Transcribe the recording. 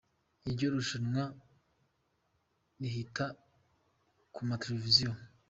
Iryo rushanwa rihita ku ma Televiziyo.